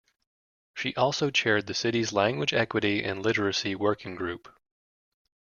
She also chaired the City's Language Equity and Literacy Working Group.